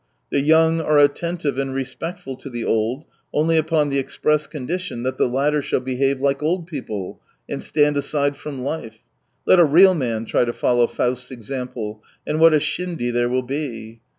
The young are attentive and respectful to the old only upon the express condition that the latter shall behave like old people, and stand aside from life. Let a real man try to follow Faust's example, and what a shindy there will be